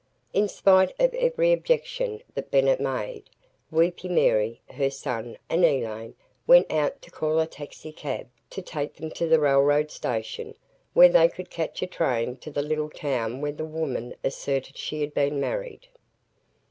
In spite of every objection that Bennett made, "Weepy Mary," her son, and Elaine went out to call a taxicab to take them to the railroad station where they could catch a train to the little town where the woman asserted she had been married.